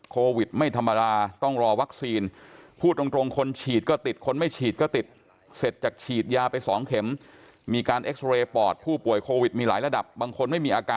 โควิดไม่ธรรมดาต้องรอวัคซีน